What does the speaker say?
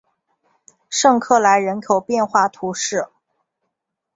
圣克莱人口变化图示